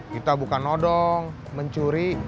kita bukan nodong mencuri